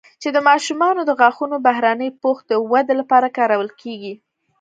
چې د ماشومانو د غاښونو بهرني پوښ د ودې لپاره کارول کېږي